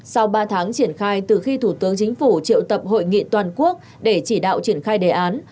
sau ba tháng triển khai từ khi thủ tướng chính phủ triệu tập hội nghị toàn quốc để chỉ đạo triển khai đề án